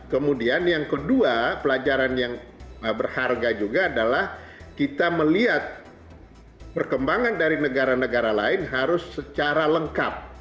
kemudian yang kedua pelajaran yang berharga juga adalah kita melihat perkembangan dari negara negara lain harus secara lengkap